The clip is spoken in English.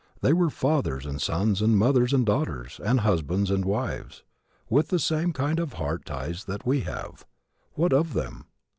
They were fathers and sons and mothers and daughters and husbands and wives, with the same kind of heart ties that we have. What of them?